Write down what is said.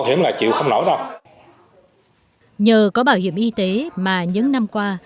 hiểm là chịu không nổi đâu nhờ có bảo hiểm y tế mà những năm qua